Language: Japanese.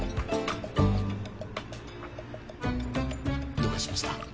どうかしました？